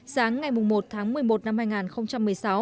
sáng ngày một tháng một mươi một năm hai nghìn một mươi sáu